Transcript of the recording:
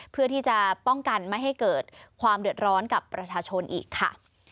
เพื่อที่จะป้องกันไม่ให้เกิดความเดือดร้อนกับประชาชนอีกค่ะ